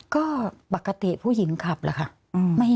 ก็ปกติผู้หญิงขับล่ะค่ะ